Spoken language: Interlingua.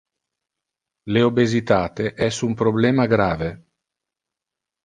Le obesitate es un problema grave.